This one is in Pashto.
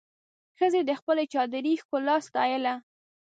ښځې د خپلې چادري ښکلا ستایله.